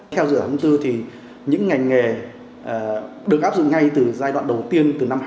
theo dựa thông tư thì những ngành nghề được áp dụng ngay từ giai đoạn đầu tiên từ năm hai nghìn hai mươi